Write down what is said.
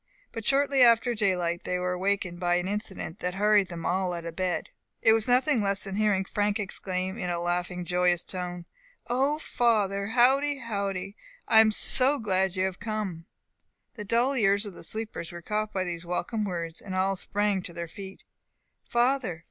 But shortly after daylight they were awaked by an incident that hurried them all out of bed. It was nothing less than hearing Frank exclaim, in a laughing, joyous tone, "O father, howdy! howdy! I am so glad you have come!" The dull ears of the sleepers were caught by these welcome words, and all sprang to their feet. "Father!